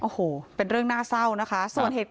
โอ้โหเป็นเรื่องน่าเศร้านะคะ